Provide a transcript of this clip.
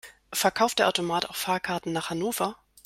Verkauft der Automat auch Fahrkarten nach Hannover?